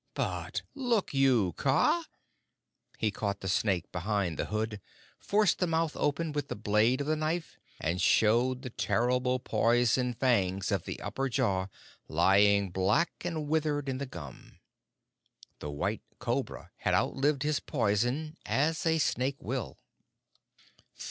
But look you, Kaa!" He caught the snake behind the hood, forced the mouth open with the blade of the knife, and showed the terrible poison fangs of the upper jaw lying black and withered in the gum. The White Cobra had outlived his poison, as a snake will.